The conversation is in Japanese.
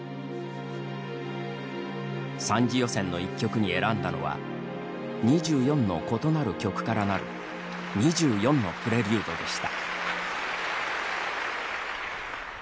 ３次予選の１曲に選んだのは２４の異なる曲からなる「２４のプレリュード」でした。